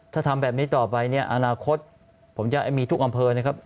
ถ้าทำแบบนี้ต่อไปเนี่ยอนาคตผมจะมีทุกอำเภอนะครับ